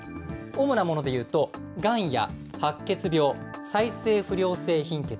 主なものでいうと、がんや白血病、再生不良性貧血。